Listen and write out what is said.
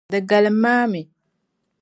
Di galim a mi.